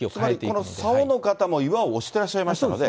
つまりこのさおの方も岩を押してらっしゃいましたよね。